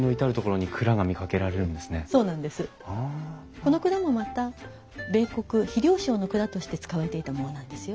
この蔵もまた米穀肥料商の蔵として使われていたものなんですよ。